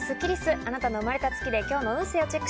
あなたの生まれた月で今日の運勢をチェック。